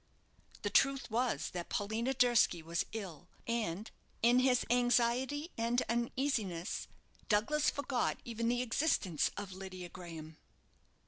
The truth was that Paulina Durski was ill, and in his anxiety and uneasiness, Douglas forgot even the existence of Lydia Graham.